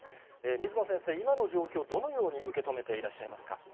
水野先生、今の状況、どのように受け止めていらっしゃいますか。